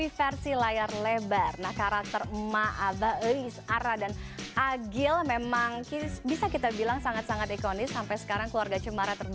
kesederhanaan dan keharmonisan keluarga cumara